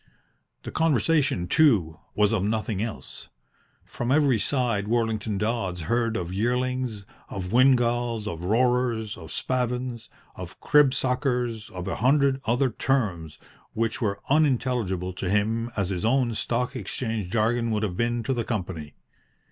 The conversation, too, was of nothing else. From every side Worlington Dodds heard of yearlings, of windgalls, of roarers, of spavins, of cribsuckers, of a hundred other terms which were as unintelligible to him as his own Stock Exchange jargon would have been to the company.